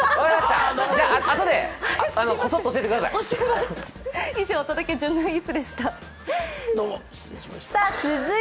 あとでこそっと教えてください。